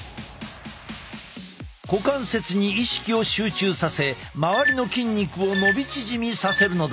股関節に意識を集中させ周りの筋肉を伸び縮みさせるのだ。